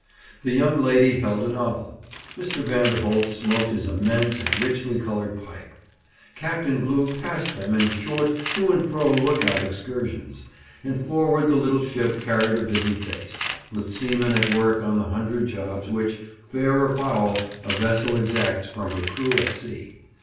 The young lady held a novel. Mr. Vanderholt smoked his immense and richly coloured pipe. Captain Glew passed them in short to and fro look out excursions; and forward the little ship carried a busy face, with seamen at work on the hundred jobs which, fair or foul, a vessel exacts from her crew at sea.